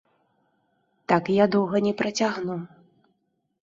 Так я доўга не працягну.